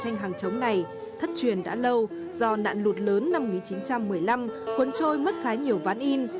tranh hàng chống này thất truyền đã lâu do nạn lụt lớn năm một nghìn chín trăm một mươi năm cuốn trôi mất khá nhiều ván in